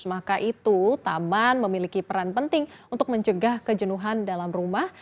maka itu taman memiliki peran penting untuk mencegah kejenuhan dalam rumah